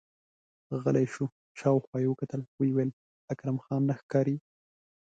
غلی شو، شاوخوا يې وکتل، ويې ويل: اکرم خان نه ښکاري!